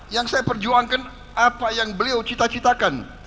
yang saya perjuangkan apa yang beliau cita citakan